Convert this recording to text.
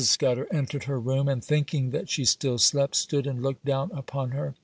Scudder entered her room, and thinking that she still slept, stood and looked down upon her.